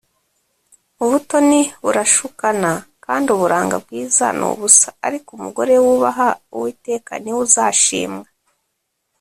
ubutoni burashukana kandi uburanga bwiza ni ubusa, ariko umugore wubaha uwiteka ni we uzashimwa